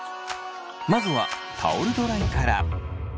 まずはタオルドライから。